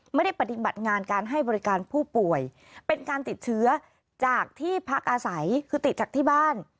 ปฏิบัติงานการให้บริการผู้ป่วยเป็นการติดเชื้อจากที่พักอาศัยคือติดจากที่บ้าน